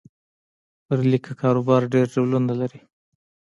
پر لیکه کاروبار ډېر ډولونه لري.